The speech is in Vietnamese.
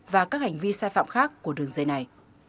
và các hành vi sai phạm khác của đường dây này